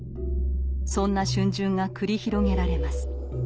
そんな逡巡が繰り広げられます。